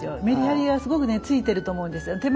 メリハリがすごくねついてると思うんですよ。